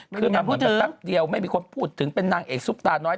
ไม่มีอะไรพูดถึงเพิ่งแป๊บเดียวไม่มีคนพูดถึงเป็นนางเอกซุปตาน้อย